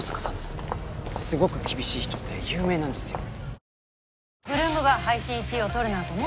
すごく厳しい人って有名なんですよ